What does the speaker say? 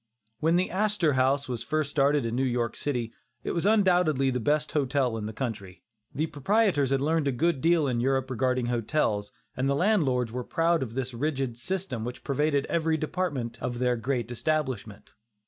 When the "Astor House" was first started in New York City, it was undoubtedly the best hotel in the country. The proprietors had learned a good deal in Europe regarding hotels, and the landlords were proud of the rigid system which pervaded every department of their great establishment.